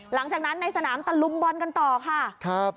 หลังจากนั้นในสนามตะลุมบอลกันต่อค่ะครับ